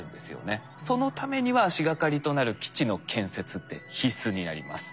そのためには足掛かりとなる基地の建設って必須になります。